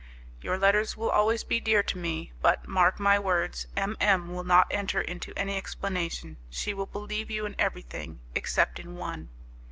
"Your letters will always be dear to me, but, mark my words, M M will not enter into any explanation. She will believe you in everything, except in one."